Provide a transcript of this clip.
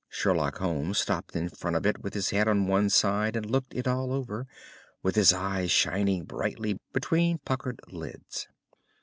Sherlock Holmes stopped in front of it with his head on one side and looked it all over, with his eyes shining brightly between puckered lids.